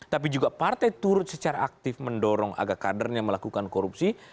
tapi juga partai turut secara aktif mendorong agar kadernya melakukan korupsi